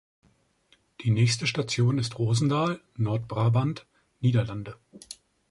Die nächste Station ist Roosendaal, Nord-Brabant, Niederlande.